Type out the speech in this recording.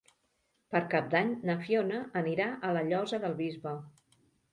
Per Cap d'Any na Fiona anirà a la Llosa del Bisbe.